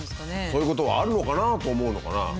そういうことがあるのかなと思うのかな。